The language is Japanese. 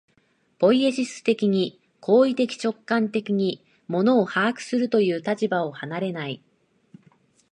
ポイエシス的に、行為的直観的に物を把握するという立場を離れない。